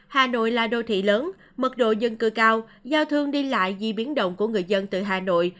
hà nội là đô thị lớn mật độ dân cư cao giao thương đi lại di biến động của người dân từ hà nội